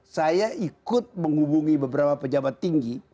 saya ikut menghubungi beberapa pejabat tinggi